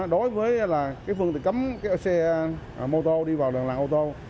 đối với phương tiện cấm xe mô tô đi vào đường làng ô tô